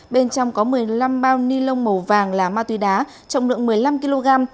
bên trong có một mươi năm bao ni lông màu vàng là ma túy đá trọng lượng một mươi năm kg